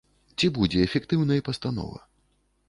Ці будзе эфектыўнай пастанова?